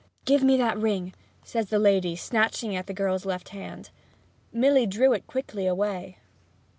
'Give me that ring!' says the lady, snatching at the girl's left hand. Milly drew it quickly away.